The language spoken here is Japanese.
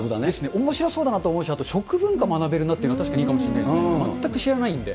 おもしろそうだなと思いますし、あと食文化学べるなと思うし、確かにいいかもしれないですけど、全く知らないので。